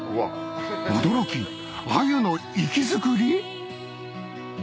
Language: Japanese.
驚きアユの活き作り